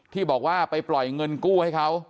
ที่บอกว่าไปปล่อยเงินกู้ให้เขา